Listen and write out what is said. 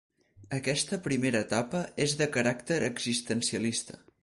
Aquesta primera etapa és de caràcter existencialista.